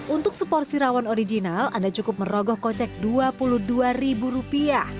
untuk seporsi rawon original anda cukup merogoh kocek rp dua puluh dua